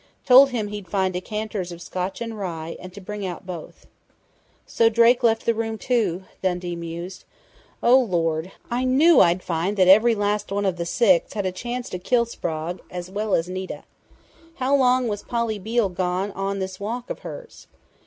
Told him he'd find decanters of Scotch and rye, and to bring out both." "So Drake left the room, too," Dundee mused. "Oh, Lord. I knew I'd find that every last one of the six had a chance to kill Sprague, as well as Nita!... How long was Polly Beale gone on this walk of hers?"